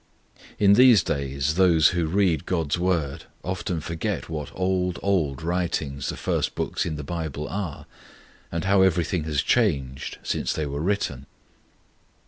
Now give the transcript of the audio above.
In these days those who read God's Word often forget what old, old writings the first books in the Bible are, and how everything has changed since they were written.